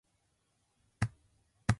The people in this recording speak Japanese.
彼女いない歴イコール年齢です